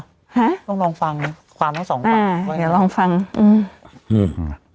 ฮะต้องลองฟังฟังตาสองข้างอ่าเดี๋ยวลองฟังอืมอืม